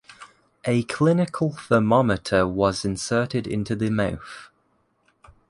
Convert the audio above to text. A clinical thermometer was inserted into the mouth.